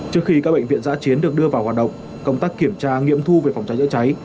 trước khi các bệnh viện giã chiến được đưa vào hoạt động công tác kiểm tra nghiệm thu về phòng cháy chữa cháy